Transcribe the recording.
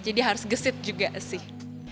jadi harus gesit juga sih